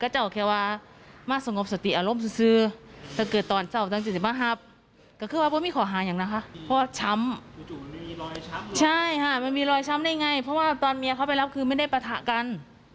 ใช่ค่ะมันมีรอยช้ำได้ไงเพราะว่าตอนเมียเขาไปรับคือไม่ได้ปะทะกัน